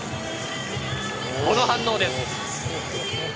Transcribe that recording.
この反応です。